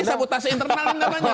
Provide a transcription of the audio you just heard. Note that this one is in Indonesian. ini sabotasi internalnya namanya